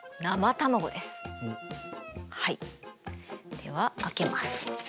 では開けます。